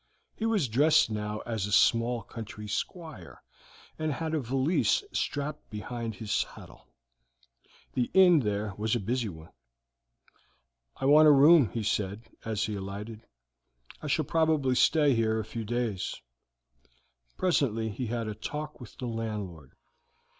He was dressed now as a small country squire, and had a valise strapped behind his saddle. The inn there was a busy one. "I want a room," he said, as he alighted. "I shall probably stay here a few days." Presently he had a talk with the landlord.